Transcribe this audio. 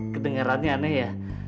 kedengerannya aneh ya